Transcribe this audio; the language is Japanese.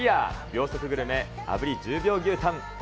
秒速グルメ、炙り１０秒牛タン。